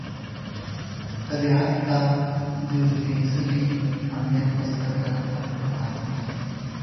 طبیعت ته د یو سپېڅلي امانت په سترګه کتل پکار دي.